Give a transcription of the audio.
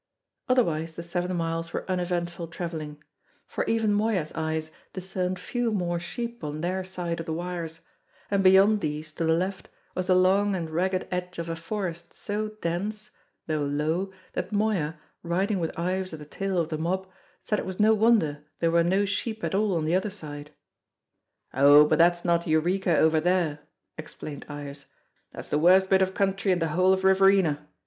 Otherwise the seven miles were uneventful travelling; for even Moya's eyes discerned few more sheep on their side of the wires; and beyond these, to the left, was the long and ragged edge of a forest so dense (though low) that Moya, riding with Ives at the tail of the mob, said it was no wonder there were no sheep at all on the other side. "Oh, but that's not Eureka over there," explained Ives; "that's the worst bit of country in the whole of Riverina.